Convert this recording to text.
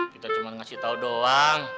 kita cuma ngasih tahu doang